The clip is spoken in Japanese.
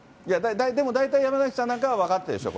でも、大体山崎さんなんかは分かってるでしょう？